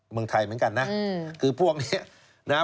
เมืองไทยเหมือนกันนะคือพวกเนี้ยนะ